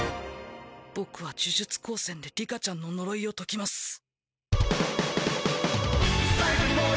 僕は呪術高専で里香ちゃんの呪いを解きます。